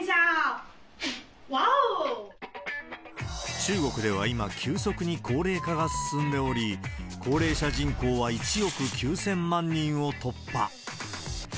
中国では今、急速に高齢化が進んでおり、高齢者人口は１億９０００万人を突破。